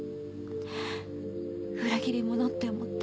裏切り者って思って。